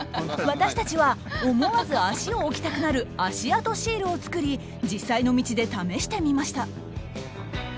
私たちは思わず足を置きたくなる「足跡シール」を作り実際の道で試してみました。